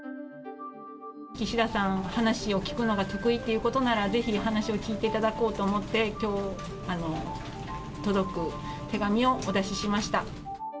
岸田さん、話を聞くのが得意ということなら、ぜひ、お話を聞いていただこうと思って、きょう、届く手紙をお出ししました。